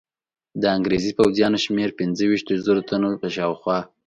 د انګرېزي پوځیانو شمېر پنځه ویشتو زرو تنو په شاوخوا.